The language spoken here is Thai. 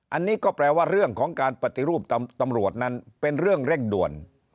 อันนี้ก็แปลว่าเรื่องของการปฏิรูปตำรวจนั้นเป็นเรื่องเร่งด่วน